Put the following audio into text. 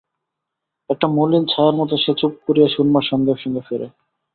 একটি মলিন ছায়ার মত সে চুপ করিয়া সুরমার সঙ্গে সঙ্গে ফেরে।